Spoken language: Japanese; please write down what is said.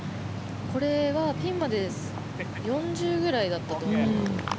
これはピンまで４０くらいだったと思います。